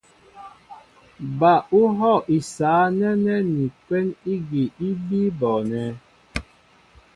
Ba ú hɔ̂ isǎ nɛ́nɛ́ ni kwɛ́n ígi í bíí bɔɔnɛ́.